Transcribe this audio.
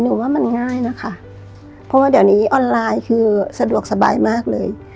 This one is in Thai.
ว่ามันง่ายนะคะเพราะว่าเดี๋ยวนี้ออนไลน์คือสะดวกสบายมากเลย